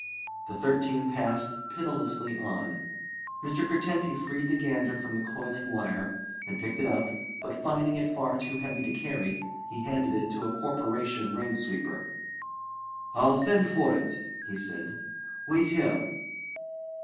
The thirteen passed pitilessly on. Mr. Curtenty freed the gander from the coiling wire, and picked it up, but, finding it far too heavy to carry, he handed it to a Corporation road sweeper. 'I'll send for it,' he said; 'wait here.'